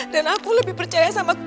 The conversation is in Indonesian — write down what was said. dan aku lebih percaya sama